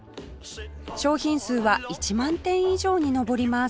商品数は１万点以上に上ります